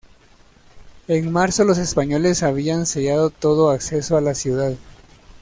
En marzo los españoles habían sellado todo acceso a la ciudad.